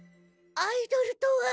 アイドルとは。